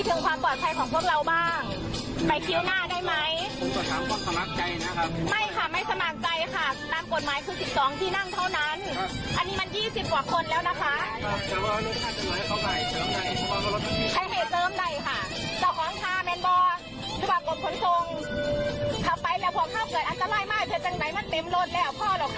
เธอจังไงมันติมรถแล้ว